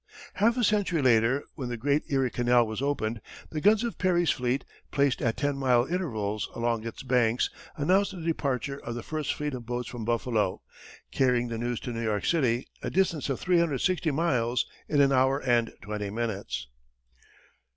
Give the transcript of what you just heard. Half a century later, when the great Erie canal was opened, the guns of Perry's fleet, placed at ten mile intervals along its banks, announced the departure of the first fleet of boats from Buffalo, carrying the news to New York City, a distance of 360 miles, in an hour and twenty minutes.